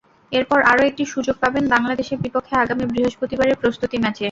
এরপর আরও একটি সুযোগ পাবেন বাংলাদেশের বিপক্ষে আগামী বৃহস্পতিবারের প্রস্তুতি ম্যাচে।